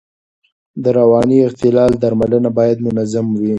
د رواني اختلال درملنه باید منظم وي.